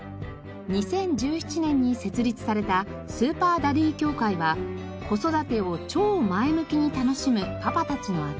２０１７年に設立されたスーパーダディ協会は子育てを超前向きに楽しむパパたちの集まり。